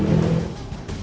ya kami harus buat